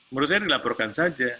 menurut saya dilaporkan saja